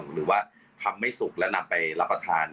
หรือว่าทำไม่สุกแล้วนำไปรับประทาน